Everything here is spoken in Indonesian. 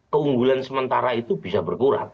keunggulan sementara itu bisa berkurang